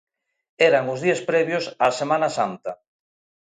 Eran os días previos á Semana Santa.